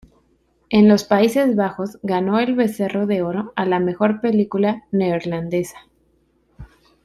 En los Países Bajos ganó el Becerro de Oro a la mejor película neerlandesa.